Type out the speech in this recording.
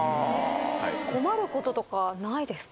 困ることとかないですか？